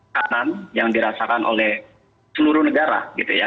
kanan yang dirasakan oleh seluruh negara gitu ya